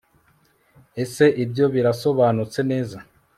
ese ibyo birasobanutse neza